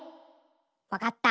わかった。